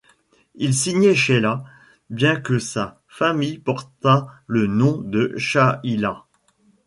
Il signait Chaila, bien que sa famille portât le nom de Chayla.